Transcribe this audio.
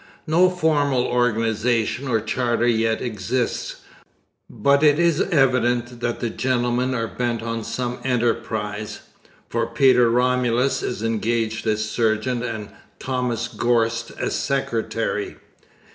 No formal organization or charter yet exists, but it is evident that the gentlemen are bent on some enterprise, for Peter Romulus is engaged as surgeon and Thomas Gorst as secretary.